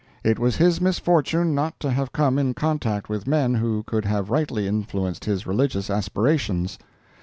It was his misfortune not to have come in contact with men who could have rightly influenced his religious aspirations.